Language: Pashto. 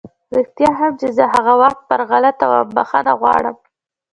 رښتيا هم چې زه هغه وخت پر غلطه وم، بښنه غواړم!